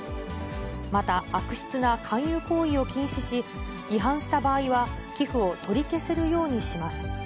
また、悪質な勧誘行為を禁止し、違反した場合は寄付を取り消せるようにします。